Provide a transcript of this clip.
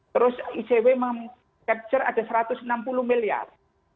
terus icw menangkap ada satu ratus enam puluh miliar